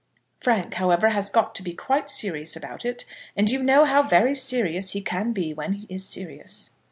Frank, however, has got to be quite serious about it, and you know how very serious he can be when he is serious.